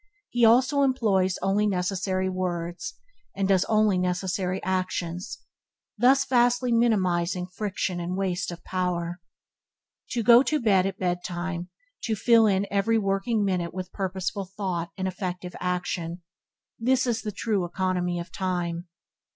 He also employs only necessary words, and does only necessary actions, thus vastly minimizing friction and waste of power. To go to bed betime and to get up betime, to fill in every working minute with purposeful thought and effective action, this is the true economy of time.